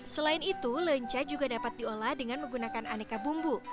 selain itu lenca juga dapat diolah dengan menggunakan aneka bumbu